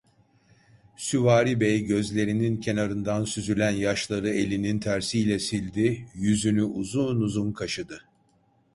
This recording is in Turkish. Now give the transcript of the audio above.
Süvari Bey gözlerinin kenarından süzülen yaşları elinin tersiyle sildi, yüzünü uzun uzun kaşıdı…